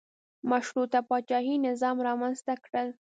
مشروطه پاچاهي نظام رامنځته کړل.